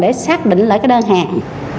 để xác định lại cái đơn hàng